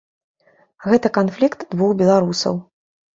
Гэта канфлікт двух беларусаў.